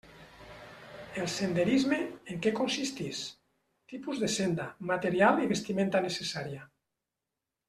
El senderisme: en què consistix?; tipus de senda, material i vestimenta necessària.